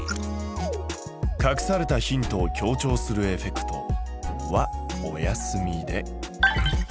隠されたヒントを強調するエフェクトはお休みで。